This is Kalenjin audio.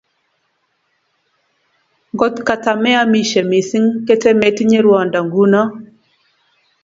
Ngot katameamishei mising, ketemetinye rwondo nguno